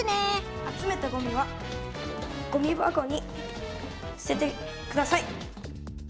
集めたごみはごみ箱に捨ててください。